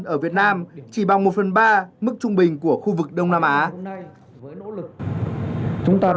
ở việt nam chỉ bằng một phần ba mức trung bình của khu vực đông nam á